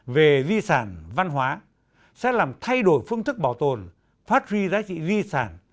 về di sản văn hóa sẽ làm thay đổi phương thức bảo tồn phát huy giá trị di sản